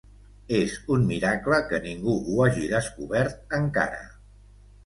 És un miracle que ningú ho hagi descobert encara.